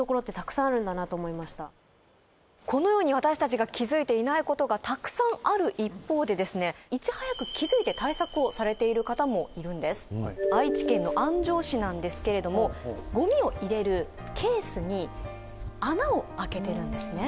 このように私たちが気づいていないことがたくさんある一方でですねいち早く気づいて対策をされている方もいるんです愛知県の安城市なんですけれどもごみを入れるケースに穴をあけてるんですね